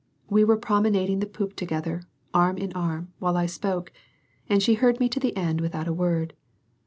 We were promenading the poop together, arm in arm, while I spoke, and she heard me to the end without a word.